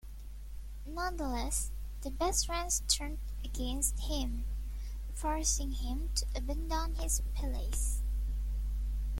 Nonetheless, the Basrans turned against him, forcing him to abandon his palace.